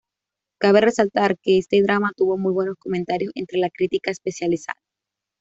Cabe resaltar que este drama tuvo muy buenos comentarios entre la crítica especializada.